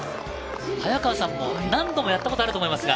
早川さんも何度もやったことあると思いますが。